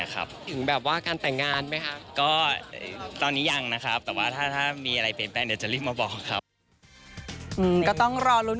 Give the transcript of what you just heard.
ถึงแบบว่าการแต่งงาน